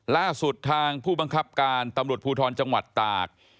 ล่าสุดทางผู้บังคับการตำรวจภูทรจังหวัดตาก